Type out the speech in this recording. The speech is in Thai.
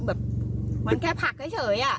ก็แบบมันแค่ผลักให้เฉย